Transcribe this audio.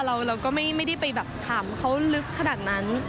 เราก็ไม่ได้ไปแบบถามเขาลึกขนาดนั้น